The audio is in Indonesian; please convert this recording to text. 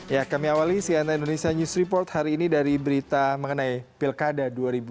ya kami awali cnn indonesia news report hari ini dari berita mengenai pilkada dua ribu tujuh belas